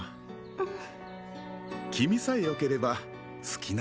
うん